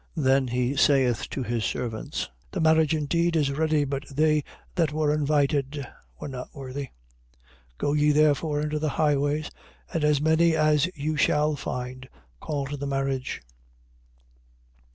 22:8. Then he saith to his servants: The marriage indeed is ready; but they that were invited were not worthy. 22:9. Go ye therefore into the highways; and as many as you shall find, call to the marriage.